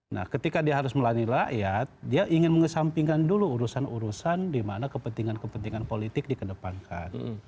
nah ketika dia harus melayani rakyat dia ingin mengesampingkan dulu urusan urusan di mana kepentingan kepentingan politik dikedepankan